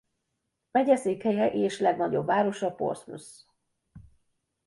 Megyeszékhelye és legnagyobb városa Portsmouth.